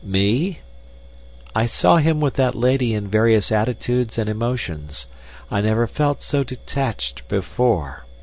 Me? I saw him with that lady in various attitudes and emotions—I never felt so detached before....